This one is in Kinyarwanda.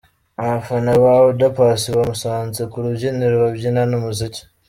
Abafana ba Oda Paccy bamusanze ku rubyiniro babyinana umuziki.